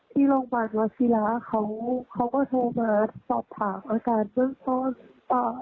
ที่โรงพยาบาลวัชิระเขาเขาก็โทรมาสอบถามอาการเบื้องต้นอ่า